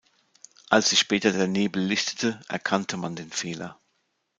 Als sich später der Nebel lichtete erkannte man den Fehler.